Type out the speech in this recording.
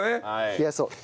冷やそう。